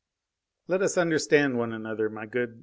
"Let us understand one another, my good M.